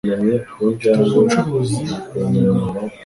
Mfite ubucuruzi na mugabo